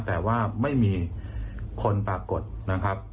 แต่ว่าไม่มีคนปรากฏนะครับ